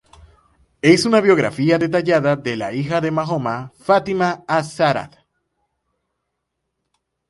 Es una biografía detallada de la hija de Mahoma, Fátima az-Zahra.